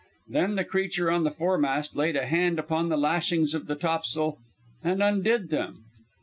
Then the creature on the foremast laid a hand upon the lashings of the tops'l and undid them.